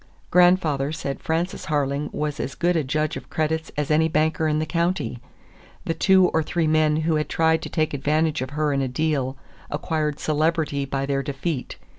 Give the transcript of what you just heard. Grandfather said Frances Harling was as good a judge of credits as any banker in the county. The two or three men who had tried to take advantage of her in a deal acquired celebrity by their defeat.